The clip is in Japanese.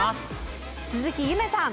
鈴木夢さん。